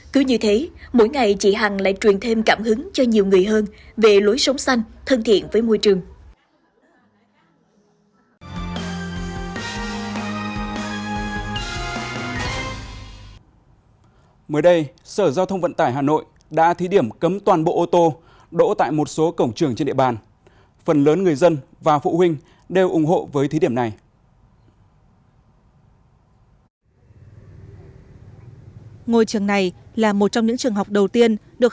cứ như thế mỗi ngày chị hằng lại truyền thêm cảm hứng cho nhiều người hơn về lối sống xanh thân thiện với môi trường